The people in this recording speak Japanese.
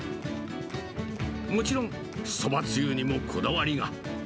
もちろん、そばつゆにもこだわりが。